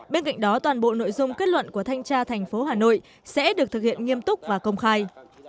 bên cạnh đó toàn bộ nội dung kết luận của thanh tra thành phố hà nội sẽ được thực hiện nghiêm túc và công khai